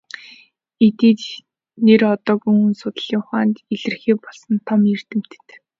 Эдний нэр одоогийн хүн судлалын ухаанд илэрхий болсон том эрдэмтэд.